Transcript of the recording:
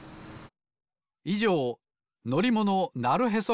いじょう「のりものなるへそ！